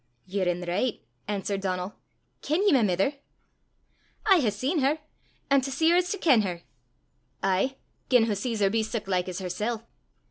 "Ye're i' the richt," answered Donal. "Ken ye my mither?" "I hae seen her; an' to see her 's to ken her." "Ay, gien wha sees her be sic like 's hersel'."